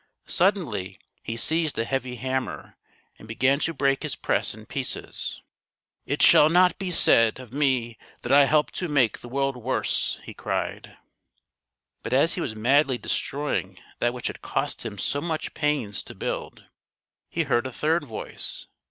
Suddenly he seized a heavy hammer and began to break his press in pieces. " It shall not be said JOHN GUTENBERG AND THE VOICES 49 of me that I helped to make the world worse," he cried. But as he was madly destroying that which had cost him so much pains to build, he heard a third voice.